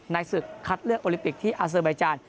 ในศึกคัดเลือกโอลิปิกที่อาซิบายจาน